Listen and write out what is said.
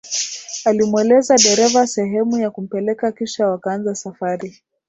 Alimweleza dereva sehemu ya kumpeleka kisha wakaanza safari